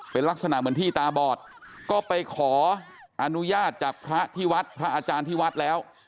เป็นลักษณะเหมือนที่ตาบอดก็ไปขออนุญาตจากพระที่วัดพระอาจารย์ที่วัดแล้ว